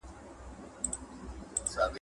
ابن خلدون د دولتونو سقوط څیړلی دی.